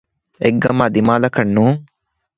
އެއްގަމާ ދިމާލަކަށް ނޫން